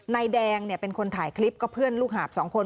นายแดงเป็นคนถ่ายคลิปก็เพื่อนลูกหาบสองคน